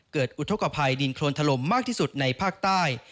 อุทธกภัยดินโครนถล่มมากที่สุดในภาคใต้